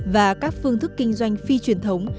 và các phương thức kinh doanh phi truyền thống